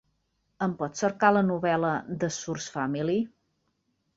Em pots cercar la novel·la "The Source Family"?